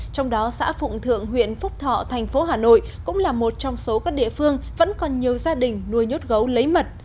trong đó xã phụng thượng huyện phúc thọ thành phố hà nội cũng là một trong số các địa phương vẫn còn nhiều gia đình nuôi nhốt gấu lấy mật